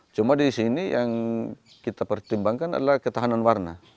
cuma di sini yang kita pertimbangkan adalah ketahanan warna